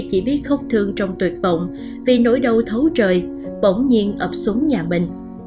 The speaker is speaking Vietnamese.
chỉ biết khóc thương trong tuyệt vọng vì nỗi đau thấu trời bỗng nhiên ập xuống nhà mình